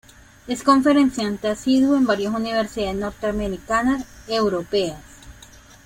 Es conferenciante asiduo en varias universidades norteamericanas, europeas.